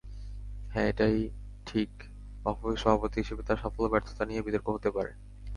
হ্যাঁ, এটা ঠিক, বাফুফে সভাপতি হিসেবে তাঁর সাফল্য-ব্যর্থতা নিয়ে বিতর্ক হতে পারে।